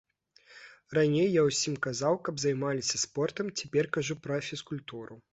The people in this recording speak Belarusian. Раней я ўсім казаў, каб займаліся спортам, цяпер кажу пра фізкультуру.